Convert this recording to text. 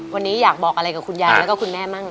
วันนี้อยากบอกอะไรกับคุณยายแล้วก็คุณแม่มั่ง